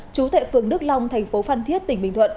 chú thệ phường đức long thành phố phan thiết tỉnh bình phú